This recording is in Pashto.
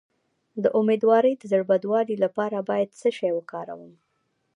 د امیدوارۍ د زړه بدوالي لپاره باید څه شی وکاروم؟